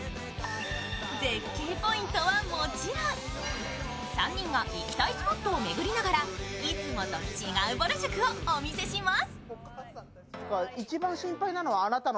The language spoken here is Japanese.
絶景ポイントはもちろん３人が行きたいスポットを巡りながらいつもと違うぼる塾をお見せします。